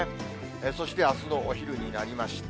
そしてあすのお昼になりました。